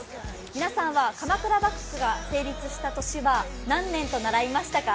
皆さんは鎌倉幕府が成立した年は何年と習いましたか。